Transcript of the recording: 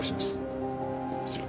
失礼。